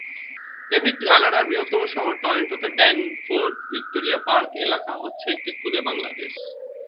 তেমনি কানাডার বৃহত্তম শহর টরন্টোতে ড্যানফোর্থ-ভিক্টোরিয়া পার্ক এলাকা হচ্ছে একটি খুদে বাংলাদেশ।